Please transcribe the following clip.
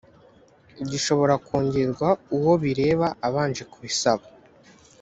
gishobora kongerwa uwo bireba abanje kubisaba